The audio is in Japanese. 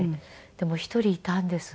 でも１人いたんです。